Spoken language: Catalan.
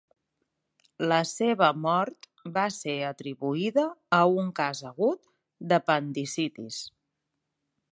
La seva mort va ser atribuïda a un cas agut d'apendicitis.